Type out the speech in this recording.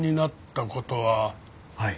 はい。